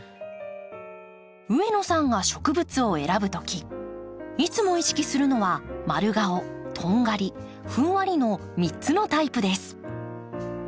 上野さんが植物を選ぶときいつも意識するのは「まるがお」「とんがり」「ふんわり」の３つのタイプです。